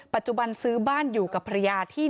ปัจจุบันซื้อบ้านอยู่กับภรรยาที่